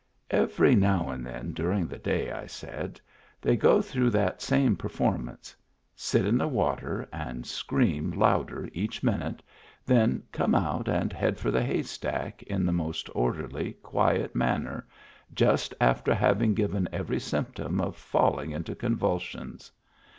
" Every now and then, during the day," I said, they go through that same performance : sit in the water and scream louder each minute, then Digitized by Google THE DRAKE WHO HAD MEANS OF HIS OWN 279 come out and head for the haystack in the most orderly, quiet manner, just after having given every symptom of falling into convulsions.